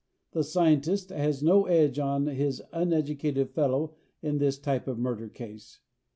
The scientist has no edge on his uneducated fellow in this type of murder case.